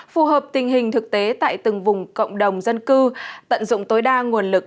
phù hợp tình hình thực tế tại từng vùng cộng đồng dân cư tận dụng tối đa nguồn lực